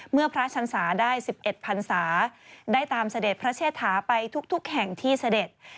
เมื่อพระชันศาได้๑๑พันศาได้ตามเสด็จพระเชษฐาไปทุกแห่งที่เสด็จ